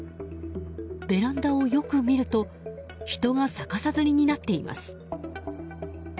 ベランダをよく見ると人が逆さづりになっています。